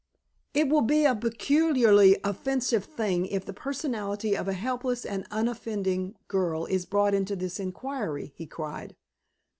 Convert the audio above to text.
"It will be a peculiarly offensive thing if the personality of a helpless and unoffending girl is brought into this inquiry," he cried.